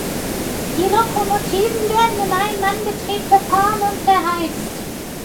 Die Lokomotiven werden im Ein-Mann-Betrieb gefahren und geheizt.